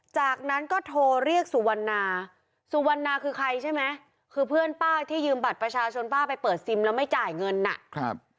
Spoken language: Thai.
จากนั้นก็โทรเรียกสุวรรณาสุวรรณาคือใครใช่ไหมคือเพื่อนป้าที่ยืมบัตรประชาชนป้าไปเปิดซิมแล้วไม่จ่ายเงินอ่ะครับ